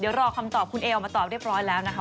เดี๋ยวรอคำตอบคุณเอลมาตอบเรียบร้อยแล้วนะคะ